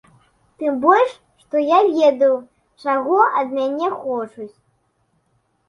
Тым больш што я ведаю, чаго ад мяне хочуць.